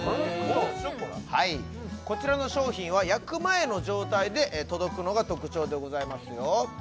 はいこちらの商品は焼く前の状態で届くのが特徴でございますよ